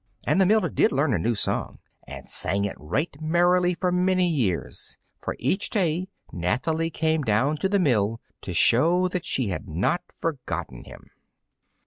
And the miller did learn a new song, and sang it right merrily for many years; for each day Nathalie came down to the mill to show that she had not forgotten him.